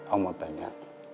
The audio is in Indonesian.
om mau tanya